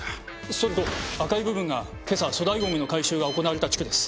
それと赤い部分が今朝粗大ゴミの回収が行われた地区です。